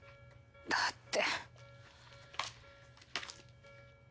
だって。